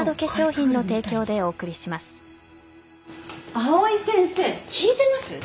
藍井先生聞いてます？